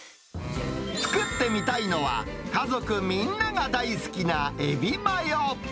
作ってみたいのは、家族みんなが大好きなエビマヨ。